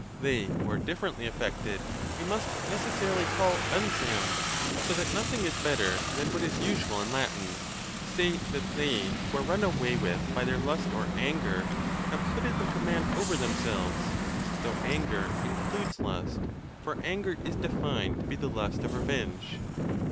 They who are differently affected we must necessarily call "unsound." So that nothing is better than what is usual in Latin, to say that they who are run away with by their lust or anger have quitted the com mand over themselves; though anger includes lust, for anger is defined to be the lust of revenge.